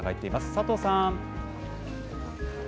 佐藤さん。